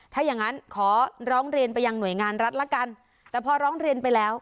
ถ้าอย่างงั้นขอร้องเรียนไปยังหน่วยงานรัฐละกันแต่พอร้องเรียนไปแล้ว